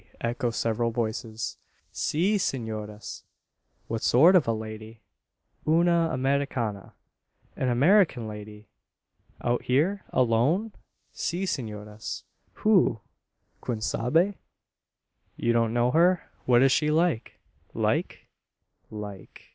echo several voices. "Si, senores." "What sort of a lady?" "Una Americana." "An American lady! out here? Alone?" "Si, senores." "Who?" "Quien sabe?" "You don't know her? What was she like?" "Like? like?"